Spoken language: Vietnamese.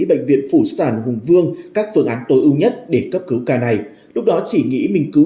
bệnh viện phủ sản hùng vương các phương án tối ưu nhất để cấp cứu ca này lúc đó chỉ nghĩ mình cứ